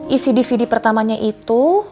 isi dvd pertamanya itu